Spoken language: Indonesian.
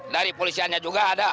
dari polisianya juga ada